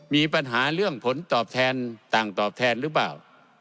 มีปัญหาเรื่องผลตอบแทนต่างตอบแทนหรือเปล่า